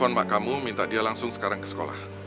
mohon maaf kamu minta dia langsung sekarang ke sekolah